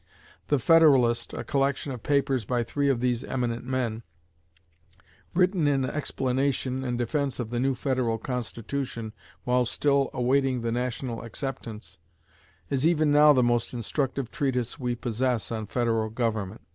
The "Federalist," a collection of papers by three of these eminent men, written in explanation and defense of the new federal Constitution while still awaiting the national acceptance, is even now the most instructive treatise we possess on federal government.